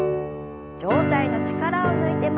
上体の力を抜いて前に。